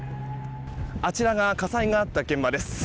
あちらが火災があった現場です。